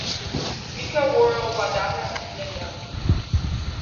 Mka waro wadaida ainyaa.